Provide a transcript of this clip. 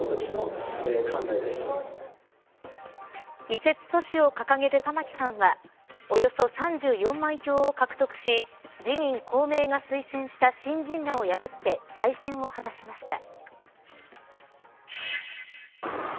移設阻止を掲げる玉城さんはおよそ３４万票を獲得し自民、公明が推薦した新人らを破って再選を果たしました。